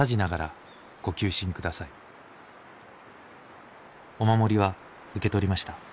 「御守りは受け取りました。